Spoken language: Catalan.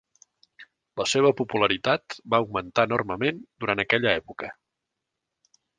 La seva popularitat va augmentar enormement durant aquella època.